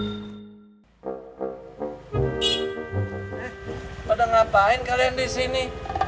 eh pada ngapain kalian disini